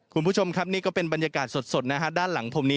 คุณผู้ชมครับนี่ก็เป็นบรรยากาศสดนะฮะด้านหลังผมนี้